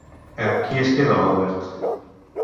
Amb qui es queda l'Albert?